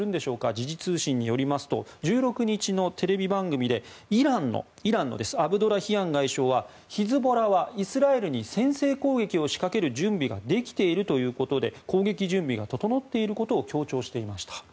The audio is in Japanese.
時事通信によりますと１６日のテレビ番組でイランのアブドラヒアン外相はヒズボラはイスラエルに先制攻撃を仕掛ける準備ができているということで攻撃準備が整っていることを強調していました。